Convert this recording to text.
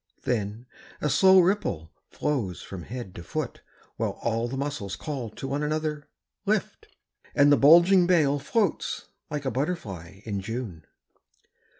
Then a slow ripple flows along the body, While all the muscles call to one another :" Lift !" and the bulging bale Floats like a butterfly in June.